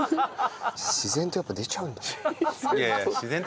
自然とやっぱ出ちゃうんだね。